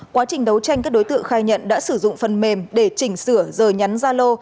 quá trình đấu tranh các đối tượng khai nhận đã sử dụng phần mềm để chỉnh sửa giờ nhắn gia lô